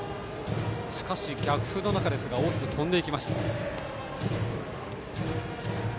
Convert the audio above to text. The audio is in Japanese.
しかし、逆風の中ですが大きく飛んでいきました。